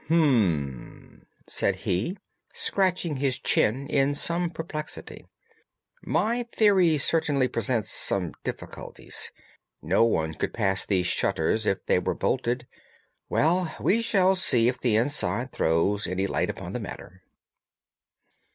"Hum!" said he, scratching his chin in some perplexity, "my theory certainly presents some difficulties. No one could pass these shutters if they were bolted. Well, we shall see if the inside throws any light upon the matter."